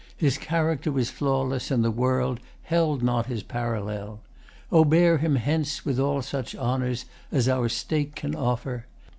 His character was flawless, and the world Held not his parallel. O bear him hence With all such honours as our State can offer.